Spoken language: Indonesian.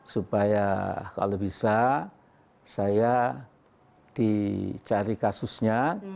supaya kalau bisa saya dicari kasusnya